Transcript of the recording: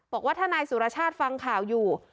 บอกว่าถ้านายสุรชาติฟังข่าวอยู่